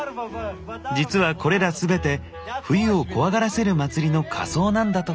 実はこれら全て冬を怖がらせる祭りの仮装なんだとか。